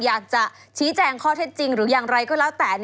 อยากจะชี้แจงข้อเท็จจริงหรืออย่างไรก็แล้วแต่